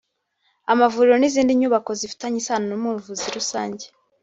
amavuriro n’izindi nyubako zifitanye isano n’ubuvuzi rusange